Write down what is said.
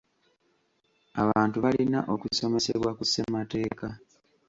Abantu balina okusomesebwa ku ssemateeka.